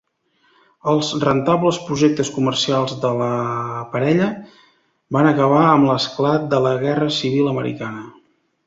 Els rentables projectes comercials de la parella van acabar amb l'esclat de la guerra civil americana.